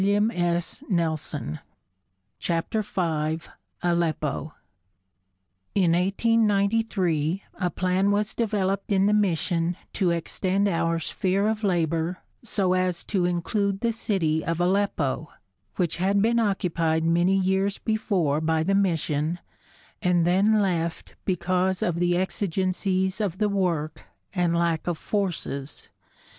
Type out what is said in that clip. Is it enough? [Illustration: ALEPPO MINARET] CHAPTER V ALEPPO In 1893 a plan was developed in the mission to extend our sphere of labor so as to include the city of Aleppo, which had been occupied many years before by the mission and then left because of the exigencies of the work and lack of forces.